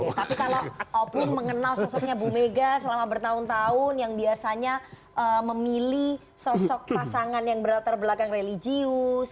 tapi kalau oplu mengenal sosoknya bu mega selama bertahun tahun yang biasanya memilih sosok pasangan yang berlatar belakang religius